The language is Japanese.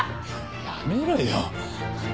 やめろよ。